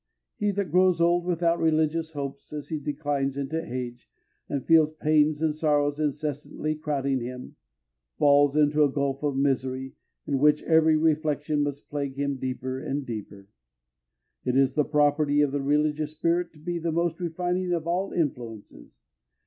He that grows old without religious hopes, as he declines into age, and feels pains and sorrows incessantly crowding him, falls into a gulf of misery, in which every reflection must plague him deeper and deeper. It is the property of the religious spirit to be the most refining of all influences.